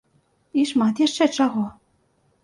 І шмат яшчэ чаго.